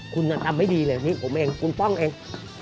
คุณทำไม่ดีเลยนี่ผมเองคุณป้องเอง